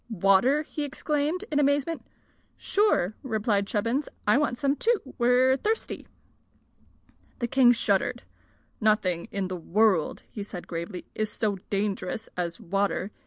"Water!" he exclaimed, in amazement. "Sure," replied Chubbins. "I want some, too. We're thirsty." The king shuddered. "Nothing in the world," said he gravely, "is so dangerous as water.